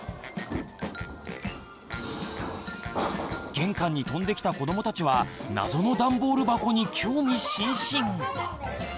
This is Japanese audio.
玄関に飛んできた子どもたちは謎の段ボール箱に興味津々。